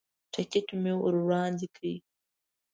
ټکټ مې ور وړاندې کړ.